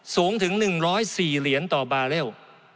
สูงถึง๑๐๔เหรียญต่อบาร์เรล